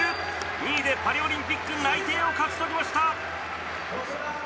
２位でパリオリンピック内定を勝ち取りました。